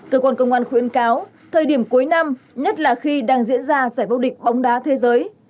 cơ quan công an khuyến cáo thời điểm cuối năm nhất là khi đang diễn ra giải vô địch bóng đá thế giới